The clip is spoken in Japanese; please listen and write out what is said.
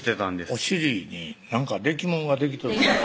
お尻に何かできもんができとった？